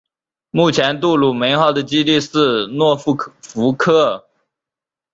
目前杜鲁门号的基地是诺福克。